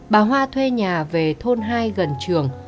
bà hoa thuê nhà về thôn hai gần trường